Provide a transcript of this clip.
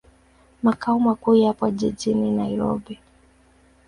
Makao makuu yapo jijini Nairobi.